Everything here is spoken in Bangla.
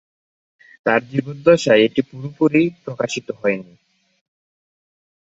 তার জীবদ্দশায় এটি পুরোপুরি প্রকাশিত হয়নি।